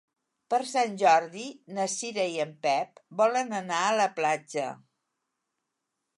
Per Sant Jordi na Cira i en Pep volen anar a la platja.